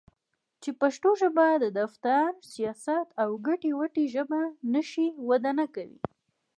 چې پښتو ژبه د دفتر٬ سياست او ګټې وټې ژبه نشي؛ وده نکوي.